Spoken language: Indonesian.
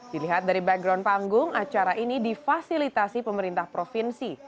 dilihat dari background panggung acara ini difasilitasi pemerintah provinsi